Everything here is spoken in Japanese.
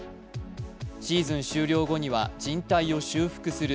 シーズン終了後にはじん帯を修復する